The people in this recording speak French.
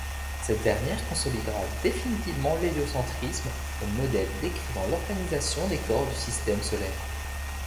Cette dernière consolidera définitivement l'héliocentrisme comme modèle décrivant l'organisation des corps du Système solaire.